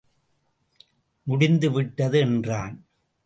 முடிந்து விட்டது என்றான்.